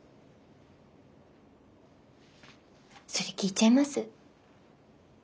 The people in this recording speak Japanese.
それ聞いちゃいます？